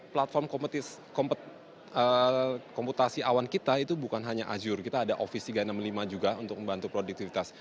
platform komputasi awan kita itu bukan hanya azure kita ada office tiga ratus enam puluh lima juga untuk membantu produktivitas